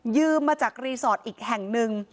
มาจากรีสอร์ทอีกแห่งหนึ่ง